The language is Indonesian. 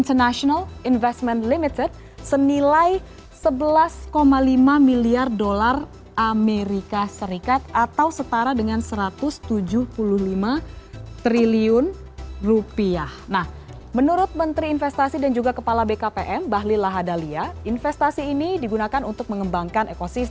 pemerintah telah mendapatkan komitmen investasi dari perusahaan asal tiongkok yakni xinyi